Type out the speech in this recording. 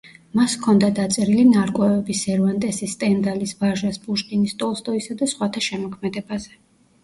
მას ჰქონდა დაწერილი ნარკვევები: სერვანტესის, სტენდალის, ვაჟას, პუშკინის, ტოლსტოისა და სხვათა შემოქმედებაზე.